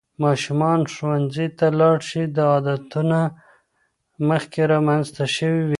ماشومان ښوونځي ته لاړ شي، عادتونه مخکې رامنځته شوي وي.